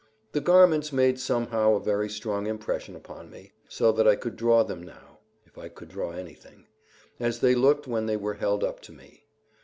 The garments made somehow a very strong impression upon me, so that I could draw them now, if I could draw anything, as they looked when they were held up to me.